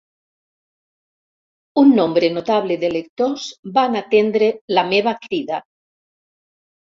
Un nombre notable de lectors van atendre la meva crida.